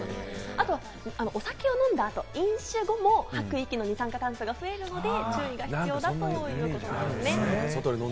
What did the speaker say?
あとはお酒を飲んだ後、飲酒後も吐く息の二酸化炭素が増えるので注意が必要だということですね。